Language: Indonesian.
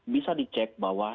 bisa dicek bahwa